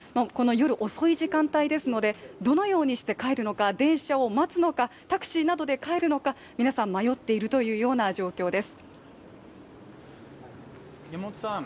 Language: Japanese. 交通機関にも影響が出ているということでこの夜遅い時間帯ですのでどのようにして帰るのか、電車を待つのかタクシーなどを待つのか皆さん、迷っているというような状況です。